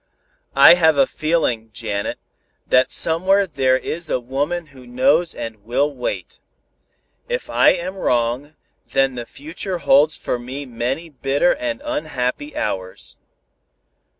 "I have a feeling, Janet, that somewhere there is a woman who knows and will wait. If I am wrong, then the future holds for me many bitter and unhappy hours."